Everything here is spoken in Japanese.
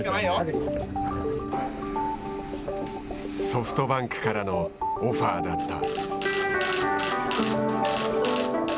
ソフトバンクからのオファーだった。